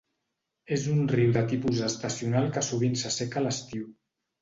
És un riu de tipus estacional que sovint s'asseca l'estiu.